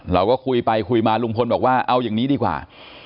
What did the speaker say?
เราก็คุยไปคุยมาลุงพลบอกว่าเอาอย่างนี้ดีกว่า